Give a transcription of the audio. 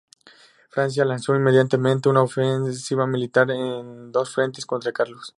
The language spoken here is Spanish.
Francia lanzó inmediatamente una ofensiva militar en dos frentes contra Carlos.